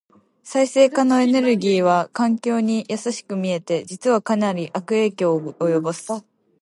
再生可能エネルギーは環境に優しく見えて、実はかなり悪影響を及ぼす。